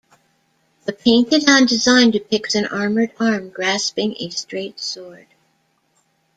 The painted-on design depicts an armored arm grasping a straight sword.